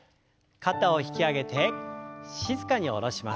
肩を引き上げて静かに下ろします。